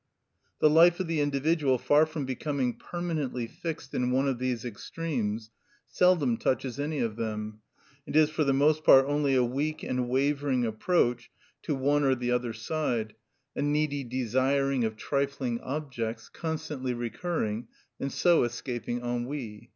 The life of the individual, far from becoming permanently fixed in one of these extremes, seldom touches any of them, and is for the most part only a weak and wavering approach to one or the other side, a needy desiring of trifling objects, constantly recurring, and so escaping ennui.